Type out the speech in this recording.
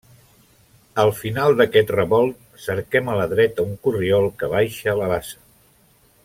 Al final d'aquest revolt cerquem a la dreta un corriol que baixa a la bassa.